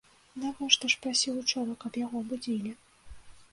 Навошта ж прасіў учора, каб яго будзілі?